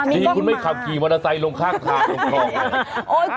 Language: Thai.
ดีคุณไม่ขับขี่มอเตอร์ไซค์ลงข้างทางลงคลอง